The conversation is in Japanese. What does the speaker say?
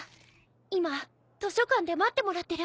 今図書館で待ってもらってる。